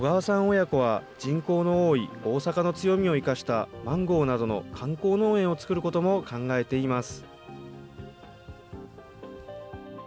親子は、人口の多い大阪の強みを生かしたマンゴーなどの観光農園を作ることも考えています。